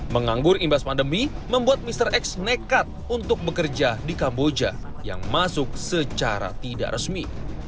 menganggur imbas pandemi membuat mr x nekat untuk bekerja di kamboja yang masuk secara tidak resmi